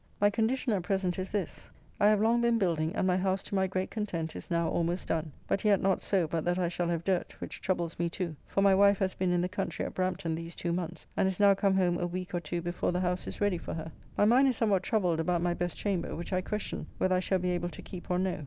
My condition at present is this: I have long been building, and my house to my great content is now almost done. But yet not so but that I shall have dirt, which troubles me too, for my wife has been in the country at Brampton these two months, and is now come home a week or two before the house is ready for her. My mind is somewhat troubled about my best chamber, which I question whether I shall be able to keep or no.